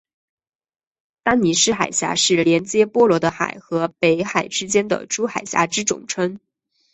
丹尼斯海峡是连结波罗的海和北海之间的诸海峡之总称。